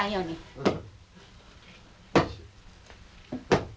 うん。